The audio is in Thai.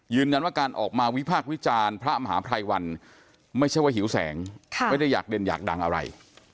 ยืนนั้นพอการออกมาวิพากข์วิจาณพระมหาพลัยวันไม่เฉียวหิวแสงใช่ได้อยากเดนอยากดังอะไร